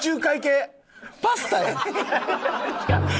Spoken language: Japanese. パスタやん。